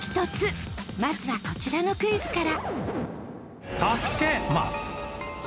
まずはこちらのクイズから。